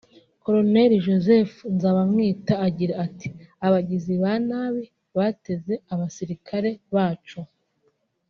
Koroneli Joseph Nzabamwita agira ati 'abagizi ba nabi bateze abasirikare bacu